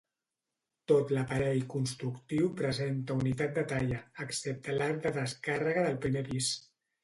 Tot l'aparell constructiu presenta unitat de talla, excepte l'arc de descàrrega del primer pis.